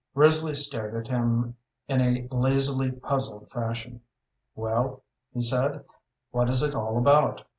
Risley stared at him in a lazily puzzled fashion. "Well," he said, "what is it all about?